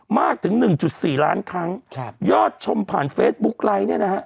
มากถึง๑๔ล้านครั้งยอดชมผ่านเฟสบุ๊คไลน์เนี่ยนะฮะ